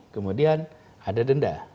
kemudian ada denda